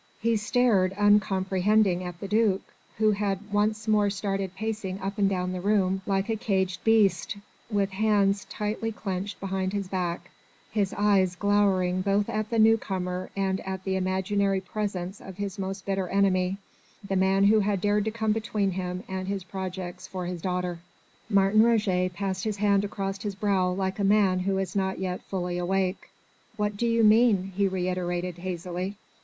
He stared, uncomprehending, at the duc, who had once more started pacing up and down the room, like a caged beast, with hands tightly clenched behind his back, his eyes glowering both at the new comer and at the imaginary presence of his most bitter enemy the man who had dared to come between him and his projects for his daughter. Martin Roget passed his hand across his brow like a man who is not yet fully awake. "What do you mean?" he reiterated hazily.